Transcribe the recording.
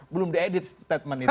belum di edit statement itu